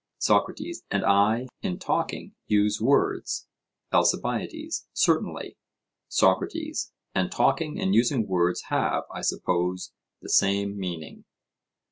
SOCRATES: And I in talking use words? ALCIBIADES: Certainly. SOCRATES: And talking and using words have, I suppose, the same meaning?